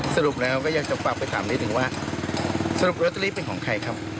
สรุปแล้วก็อยากจะฝากไปถามนิดนึงว่าสรุปลอตเตอรี่เป็นของใครครับ